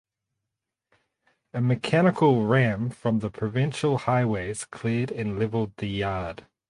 A mechanical ram from the Provincial Highways cleared and leveled the yard.